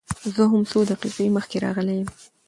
زه هم څو دقيقې مخکې راغلى يم.